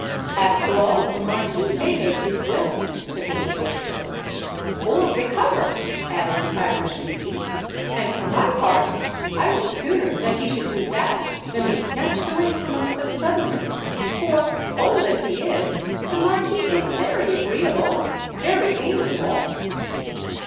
"After all, the Marquis may make his will," said the English girl. "Or recover," added the Irish beauty. "And for my part, I would sooner that he should do that than be snatched away from us so suddenly; for, old as he is, the Marquis is very agreeable—very amiable."